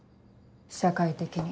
社会的に。